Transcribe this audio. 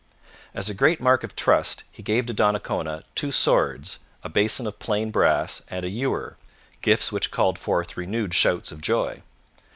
As a great mark of trust he gave to Donnacona two swords, a basin of plain brass and a ewer gifts which called forth renewed shouts of joy.